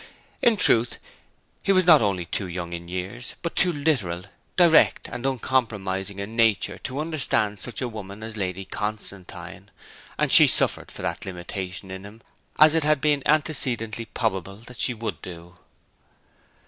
In truth he was not only too young in years, but too literal, direct, and uncompromising in nature to understand such a woman as Lady Constantine; and she suffered for that limitation in him as it had been antecedently probable that she would do.